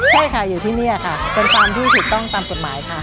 ใช่ค่ะอยู่ที่นี่ค่ะเป็นฟาร์มที่ถูกต้องตามกฎหมายค่ะ